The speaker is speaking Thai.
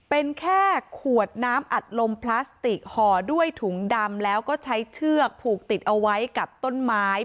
เป็นแค่ขวดน้ำอัดลมพลาสติกห่อด้วยถุงดำแล้วก็ใช้เชือกผูกติดเอาไว้กับต้นไม้